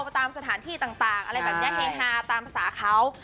ตามสถานที่ต่างอะไรแบบนี้เฮฮาตามภาษาเขา